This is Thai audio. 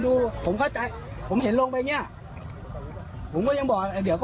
ด้วยตรงนี้คุณสามารถผิดด้วย